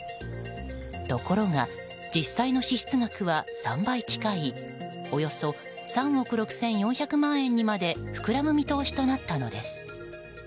ところが、実際の支出額は３倍近いおよそ３億６４００万円にまで膨らむ見通しとなったのです。